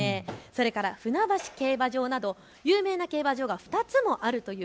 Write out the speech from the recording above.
それから船橋競馬場など有名な競馬場が２つもあるという。